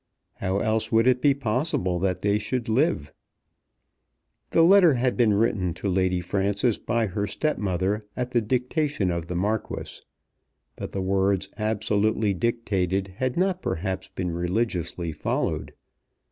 How else would it be possible that they should live? The letter had been written to Lady Frances by her stepmother at the dictation of the Marquis. But the words absolutely dictated had not perhaps been religiously followed.